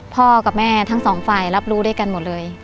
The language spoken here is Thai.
พ่อกับแม่ทั้งสองฝ่ายรับรู้ด้วยกันหมดเลย